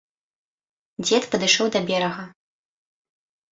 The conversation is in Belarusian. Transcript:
Дзед падышоў да берага.